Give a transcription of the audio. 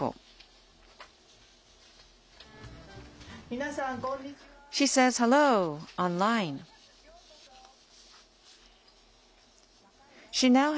皆さん、こんにちは。